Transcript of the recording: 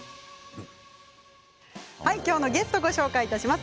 今日のゲストをご紹介いたします。